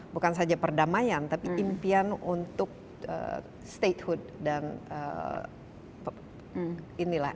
bukan saja perdamaian tapi impian untuk statehood dan inilah